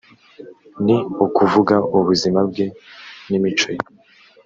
ni ukuvuga ubuzima bwe n imico ye